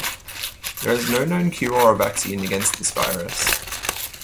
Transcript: There is no known cure or vaccine against this virus.